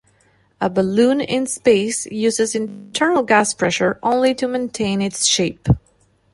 A balloon in space uses internal gas pressure only to maintain its shape.